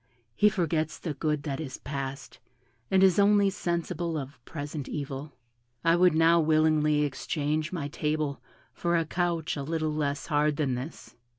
He forgets the good that is past, and is only sensible of present evil. I would now willingly exchange my table for a couch a little less hard than this."